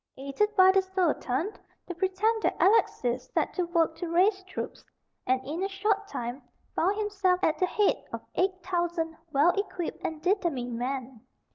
Aided by the Sultan, the pretended Alexis set to work to raise troops, and, in a short time, found himself at the head of eight thousand well equipped and determined men.